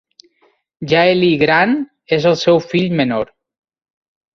Jaelin Grant és el seu fill menor.